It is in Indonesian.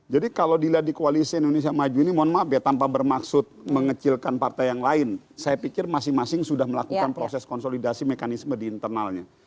jadi kalau dilihat di kualisi indonesia maju ini mohon maaf ya tanpa bermaksud mengecilkan partai yang lain saya pikir masing masing sudah melakukan proses konsolidasi mekanisme di internalnya